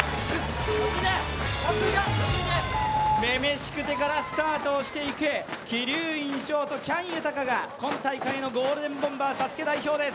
女々しくてからスタートをしていく、鬼龍院翔と喜矢武豊が今大会のゴールデンボンバーＳＡＳＵＫＥ代表です。